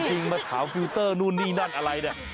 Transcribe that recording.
จริงมาถามฟิลเตอร์นู่นนี่นั่นอะไรเนี่ย